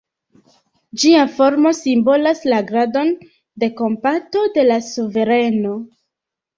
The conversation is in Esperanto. Ĝia formo simbolas la gradon de kompato de la suvereno.